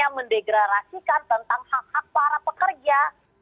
dan kemudian di dalam perangkatnya menegrarasikan tentang hak hak para pekerja